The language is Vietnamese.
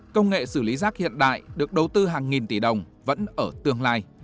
công nghệ xử lý rác hiện đại được đầu tư hàng nghìn tỷ đồng vẫn ở tương lai